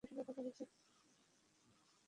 তবে আমি দু জন বড় ডাক্তারের সঙ্গে কথা বলেছি।